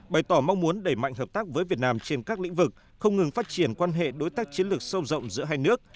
bày tỏ mong muốn đẩy mạnh hợp tác với việt nam trên các lĩnh vực không ngừng phát triển quan hệ đối tác chiến lược sâu rộng giữa hai nước